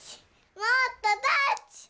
「もっとタッチ」